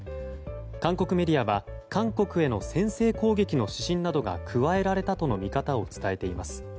韓国メディアは韓国への先制攻撃の指針などが加えられたとの見方を伝えています。